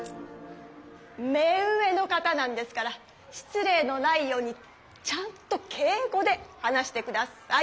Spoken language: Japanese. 目上の方なんですからしつれいのないようにちゃんと敬語で話して下さい。